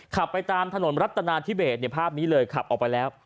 ขับไปตามถนนรัฐนาธิเบสภาพนี้เลยขับออกไปแล้ว